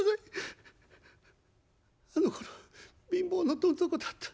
あのころ貧乏のどん底だった。